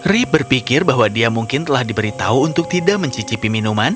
rip berpikir bahwa dia mungkin telah diberitahu untuk tidak mencicipi minuman